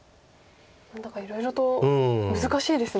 何だかいろいろと難しいですね。